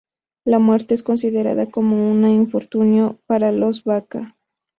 La muerte es considerada como una infortunio para los Baka.